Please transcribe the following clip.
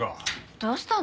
どうしたの？